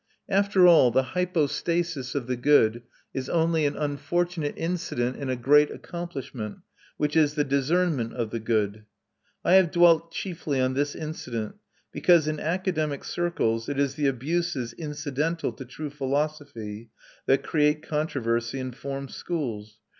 After all, the hypostasis of the good is only an unfortunate incident in a great accomplishment, which is the discernment of the good. I have dwelt chiefly on this incident, because in academic circles it is the abuses incidental to true philosophy that create controversy and form schools.